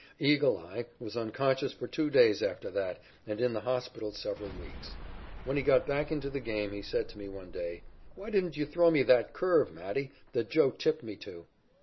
"Eagle Eye" was unconscious for two days after that and in the hospital several weeks. When he got back into the game he said to me one day: "Why didn't you throw me that curve, Matty, that 'Joe' tipped me to?"